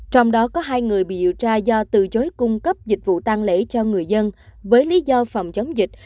trong đó có hai người bị điều tra do từ chối cung cấp dịch vụ tăng lễ cho người dân với lý do phòng chống dịch